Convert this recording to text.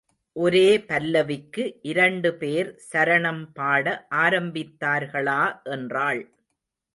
ஒரே பல்லவிக்கு இரண்டு பேர் சரணம் பாட ஆரம்பித்தார்களா என்றாள்.